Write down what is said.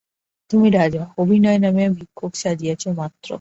তুমি রাজা, অভিনয়ে নামিয়া ভিক্ষুক সাজিয়াছ মাত্র।